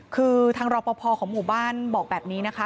คือทางรอปภของหมู่บ้านบอกแบบนี้นะคะ